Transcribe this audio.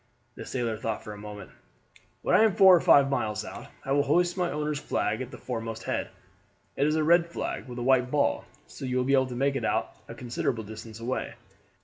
The sailor thought for a moment. "When I am four or five miles out I will hoist my owner's flag at the foremast head. It is a red flag with a white ball, so you will be able to make it out a considerable distance away.